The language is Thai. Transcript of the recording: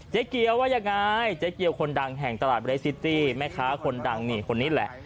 เจ๊เกียวว่ายังไงเจ๊เกียวคนดังแห่งตลาดเรซิตี้แม่ค้าคนดังนี่คนนี้แหละ